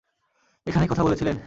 এখানের কথাই বলেছিলেন?